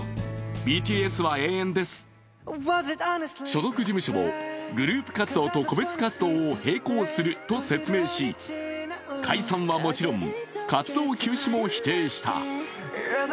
所属事務所もグループ活動を個別活動を並行すると説明し、解散はもちろん、活動休止も否定した。